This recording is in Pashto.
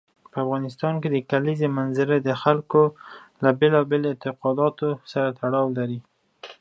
په افغانستان کې د کلیزو منظره د خلکو له بېلابېلو اعتقاداتو سره تړاو لري.